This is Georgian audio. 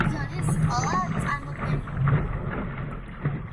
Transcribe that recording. ბარბიზონის სკოლის წარმომადგენელი.